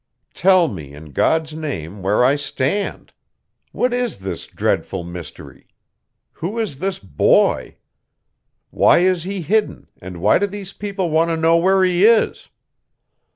"Tell me, in God's name, where I stand. What is this dreadful mystery? Who is this boy? Why is he hidden, and why do these people want to know where he is?